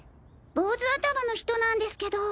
坊主頭の人なんですけど。